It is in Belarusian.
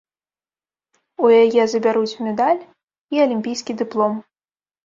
У яе забяруць медаль і алімпійскі дыплом.